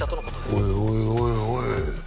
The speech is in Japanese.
おいおいおいおい。